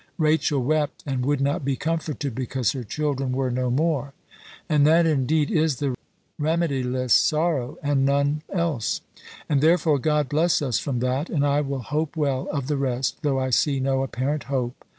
Rachel wept, and would not be comforted, because her children were no more. And that, indeed, is the remediless sorrow, and none else! And therefore God bless us from that, and I will hope well of the rest, though I see no apparent hope.